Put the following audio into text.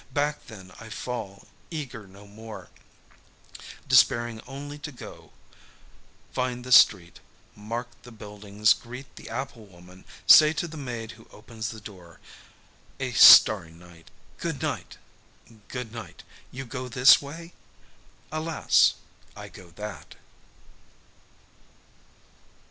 Back then I fall, eager no more, desiring only to go, find the street, mark the buildings, greet the applewoman, say to the maid who opens the door: A starry night. "Good night, good night. You go this way?" "Alas. I go that."